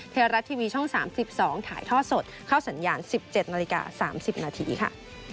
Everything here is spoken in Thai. ไทยรัฐทีวีช่อง๓๒ถ่ายทอดสดเข้าสัญญาณ๑๗นาฬิกา๓๐นาทีค่ะ